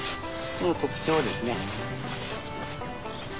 この特徴ですね。